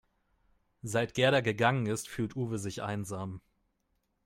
Seit Gerda gegangen ist, fühlt Uwe sich einsam.